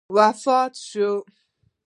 وفات شو.